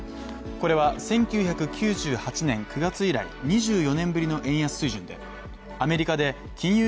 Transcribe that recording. これは１９９８年９月以来２４年ぶりの円安水準でアメリカで金融